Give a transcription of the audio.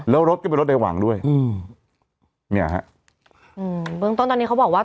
แล้วรถก็เป็นรถในหวังด้วยอืมเนี่ยฮะอืมเบื้องต้นตอนนี้เขาบอกว่า